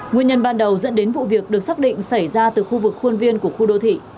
nguyên nhân ban đầu dẫn đến vụ việc được xác định xảy ra từ khu vực khuôn viên của khu đô thị